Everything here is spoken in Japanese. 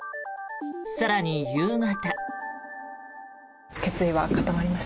更に夕方。